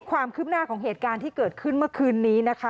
ความคืบหน้าของเหตุการณ์ที่เกิดขึ้นเมื่อคืนนี้นะคะ